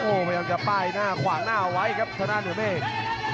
พยายามจะป้ายหน้าขวางหน้าเอาไว้ครับชนะเหนือเมฆ